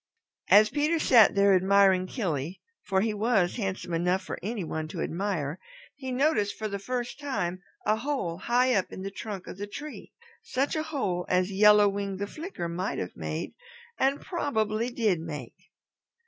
As Peter sat there admiring Killy, for he was handsome enough for any one to admire, he noticed for the first time a hole high up in the trunk of the tree, such a hole as Yellow Wing the Flicker might have made and probably did make.